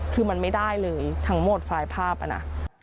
คือมันไม่ได้เลยทั้งหมดไฟล์ภาพอ่ะนะ